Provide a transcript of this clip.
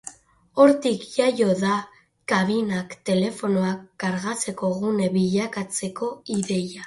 Hortik jaio da kabinak telefonoak kargatzeko gune bilakatzeko ideia.